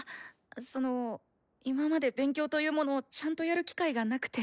その今まで勉強というものをちゃんとやる機会がなくて。